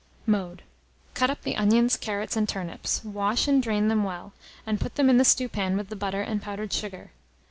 Mode. Cut up the onions, carrots, and turnips; wash and drain them well, and put them in the stewpan with the butter and powdered sugar.